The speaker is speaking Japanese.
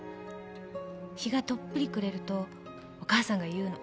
日がとっぷり暮れるとお母さんが言うの。